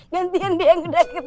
gantiin dia yang udah kena